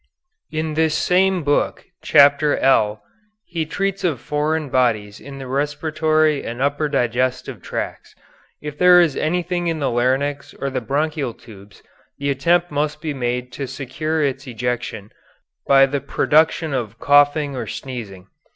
In this same book, Chapter L, he treats of foreign bodies in the respiratory and upper digestive tracts. If there is anything in the larynx or the bronchial tubes the attempt must be made to secure its ejection by the production of coughing or sneezing.